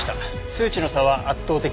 数値の差は圧倒的。